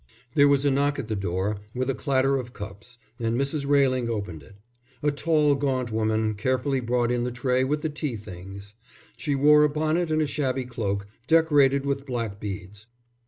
There was a knock at the door, with a clatter of cups, and Mrs. Railing opened it. A tall gaunt woman carefully brought in the tray with the tea things. She wore a bonnet and a shabby cloak, decorated with black beads.